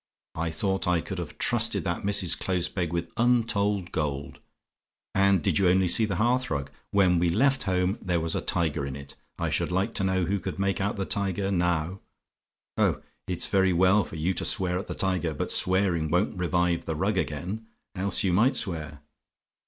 I thought I could have trusted that Mrs. Closepeg with untold gold; and did you only see the hearthrug? When we left home there was a tiger in it: I should like to know who could make out the tiger, now? Oh, it's very well for you to swear at the tiger, but swearing won't revive the rug again. Else you might swear.